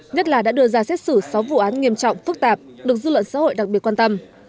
nhất là đã đưa ra xét xử sáu vụ án nghiêm trọng phức tạp được dư luận xã hội đặc biệt quan tâm